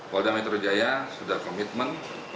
polda metro jaya sudah komitmen